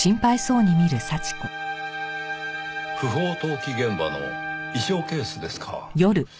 不法投棄現場の衣装ケースですか。